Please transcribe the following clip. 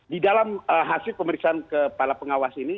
di dalam hasil pemeriksaan kepala pengawas ini